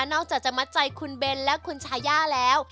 อกจากจะมัดใจคุณเบนและคุณชายาแล้ว